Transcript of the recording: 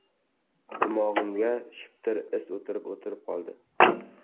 Dimog‘imda shiptir is o‘tirib-o‘tirib qoldi.